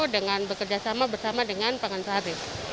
dengan bekerjasama bersama dengan pengantar